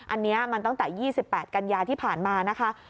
อันนี้มันตั้งแต่๒๘กันยาที่ผ่านมานะคะ